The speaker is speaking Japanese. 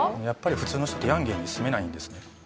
やっぱり普通の人ってヤンゲンに住めないんですね。